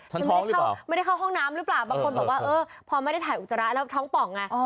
มันไม่ได้เข้าไม่ได้เข้าห้องน้ำหรือเปล่าบางคนบอกว่าเออพอไม่ได้ถ่ายอุจจาระแล้วท้องป่องไง